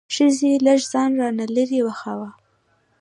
ښځې لږ ځان را نه لرې وڅښاوه.